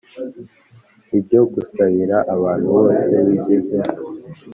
Ibyo gusabira abantu bose bigezehe